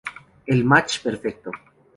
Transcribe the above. El Match Perfecto".